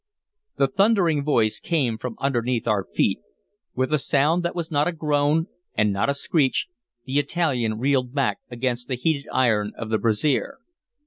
The thundering voice came from underneath our feet. With a sound that was not a groan and not a screech, the Italian reeled back against the heated iron of the brazier.